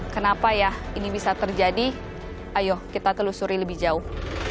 kenapa ya ini bisa terjadi ayo kita telusuri lebih jauh